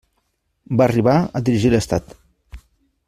Va arribar a dirigir l'estat.